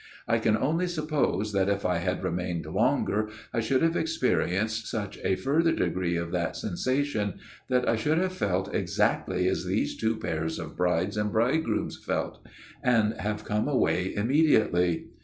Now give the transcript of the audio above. I can only suppose that if I had remained longer I should have experienced such a further degree of that sensation that I should have felt exactly as those two pairs of brides and bridegrooms felt ; and have come away immediately.